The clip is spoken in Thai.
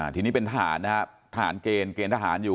ที่นี้เป็นทหารนะฮะทหารเกณฑ์ทหารอยู่